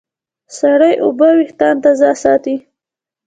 سړې اوبه وېښتيان تازه ساتي.